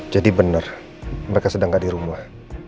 jadi bener mereka sedang gak di rumah